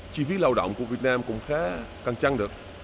chi phí lao động của việt nam cũng khá căng trăn được